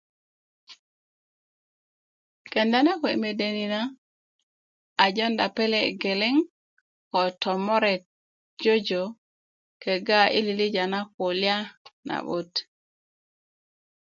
kenda na kuwe' mede ni na a jonda pele' geleŋ ko tomoret jojo kegga i lilija na kulya na'but